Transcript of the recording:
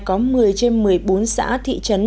có một mươi trên một mươi bốn xã thị trấn